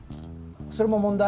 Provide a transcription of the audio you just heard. それも問題？